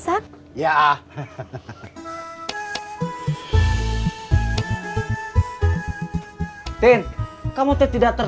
acing anter dulu